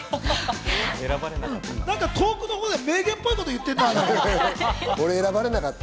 遠くのほうで名言っぽいこと言った？